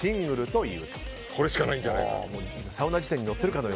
これしかないんじゃないかと。